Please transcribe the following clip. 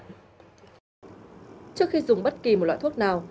trước khi dùng bất kỳ một loại thuốc nào